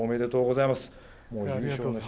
おめでとうございます。